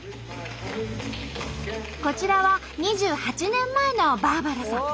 こちらは２８年前のバーバラさん。